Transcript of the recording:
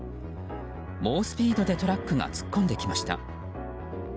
猛スピードでトラックが突っ込んできました。